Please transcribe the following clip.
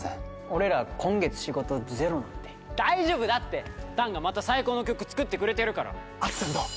俺ら今月仕事ゼロなんで大丈夫だって弾がまた最高の曲作ってくれてるから・あすぴょんどう？